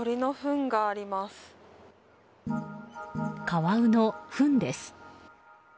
カワウのふんです。